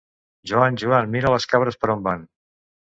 Joan, Joan, mira les cabres per on van!